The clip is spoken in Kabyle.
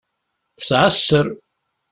Tesεa sser.